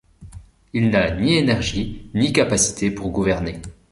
Il n'a ni énergie ni capacités pour gouverner.